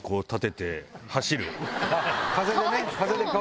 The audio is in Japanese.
風でね。